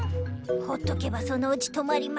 ほっとけばそのうち止まります。